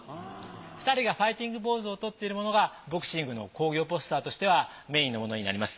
２人がファイティングポーズをとっているものがボクシングの興行ポスターとしてはメインのものになります。